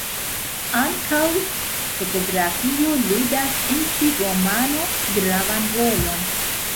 Ankaŭ topografio ludas en ĉi romano gravan rolon.